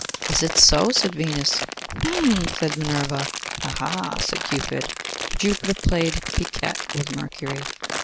'Is it so?' said Venus. 'Hem!' said Minerva. 'Ha, ha!' said Cupid. Jupiter played piquette with Mercury.